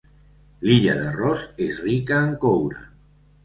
L'illa de Ross és rica en coure.